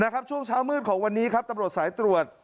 ช่วงเช้ามืดของวันนี้ครับตำรวจสายตรวจ